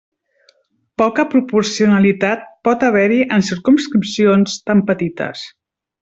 Poca proporcionalitat pot haver-hi en circumscripcions tan petites.